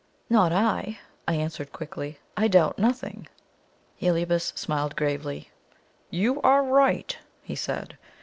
"Not I!" I answered quickly. "I doubt nothing!" Heliobas smiled gravely. "You are right!" he said.